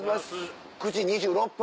９時２６分。